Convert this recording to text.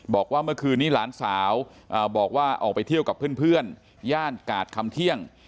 บอกว่าเมื่อคืนนี้หลานสาวบอกว่าออกไปเที่ยวกับเพื่อนย่านกาดคำเที่ยง